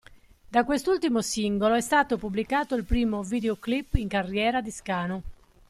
Da quest'ultimo singolo è stato pubblicato il primo videoclip in carriera di Scanu.